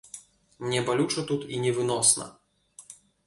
Мне балюча тут і невыносна.